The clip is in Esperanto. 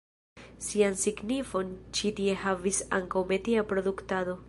Sian signifon ĉi tie havis ankaŭ metia produktado.